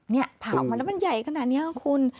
เนี่ยผ่ามาแล้วมันใหญ่ขนาดนี้ค่ะคุณ